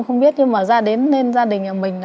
không biết nhưng mà ra đến nên gia đình nhà mình